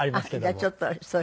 じゃあちょっと。